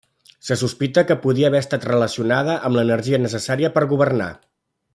Se sospita que podia haver estat relacionada amb l'energia necessària per governar.